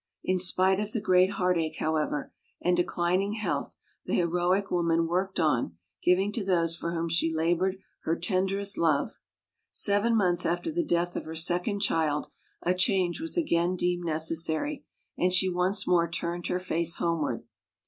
In spite of the great heartache, however, and declining health the heroic woman worked on, giving to those for whom she labored her tenderest love. Seven months after the death of her second child a change was again deemed necessary, and she once more turned her face homeward.